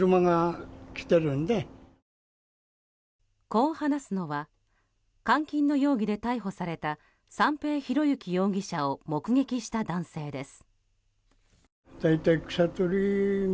こう話すのは監禁の容疑で逮捕された三瓶博幸容疑者を目撃した男性です。